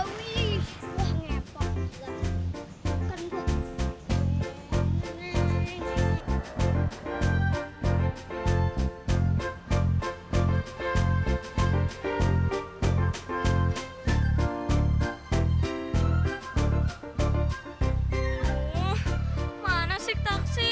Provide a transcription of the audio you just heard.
wuhh mana sih taksi